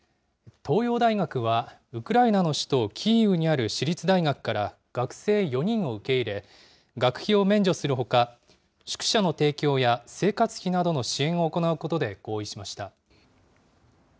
東洋大学は、ウクライナの首都キーウにある市立大学から、学生４人を受け入れ、学費を免除するほか、宿舎の提供や、生活費などの支援を行うことで合意しました。